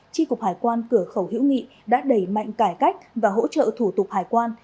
tri cục hải quan cửa khẩu hữu nghị đã đẩy mạnh cải cách và hỗ trợ thủ tục hải quan